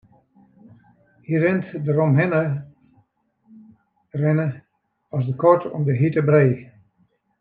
Hy rint deromhinne rinne as de kat om de hjitte brij.